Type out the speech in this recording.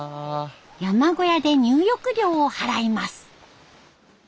山小屋で入浴料を払います。